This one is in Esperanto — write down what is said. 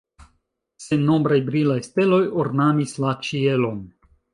Sennombraj brilaj steloj ornamis la ĉielon.